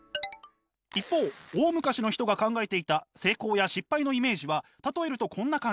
一方大昔の人が考えていた成功や失敗のイメージは例えるとこんな感じ。